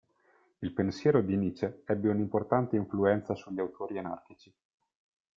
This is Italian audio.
Il pensiero di Nietzsche ebbe un'importante influenza sugli autori anarchici.